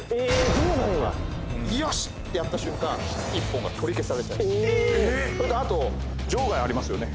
そうなんやよしってやった瞬間一本が取り消されちゃうおおーそれとあと場外ありますよね